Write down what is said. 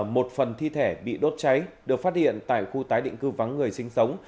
một phần thi thể bị đốt cháy được phát hiện tại khu tái định cư vắng người sinh sống